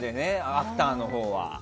アフターのほうは。